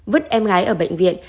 vứt em gái ở bệnh viện